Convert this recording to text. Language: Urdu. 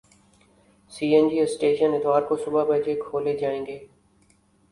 سی این جی اسٹیشن اتوار کو صبح بجے کھولے جائیں گے